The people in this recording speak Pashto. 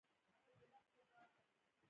مځکه د ژوند د دوام لپاره حیاتي ارزښت لري.